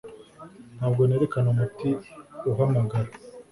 Ntabwo nerekana umutima uhamagara